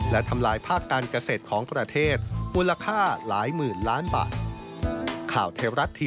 และทำลายภาคการเกษตรของประเทศมูลค่าหลายหมื่นล้านบาท